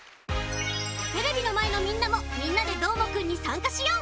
テレビのまえのみんなも「みんなＤＥどーもくん！」にさんかしよう！